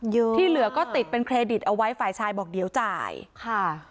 ที่เหลือก็ติดเป็นเครดิตเอาไว้ฝ่ายชายบอกเดี๋ยวจ่ายค่ะ